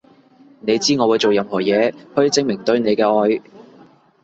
你知我會做任何嘢去證明對你嘅愛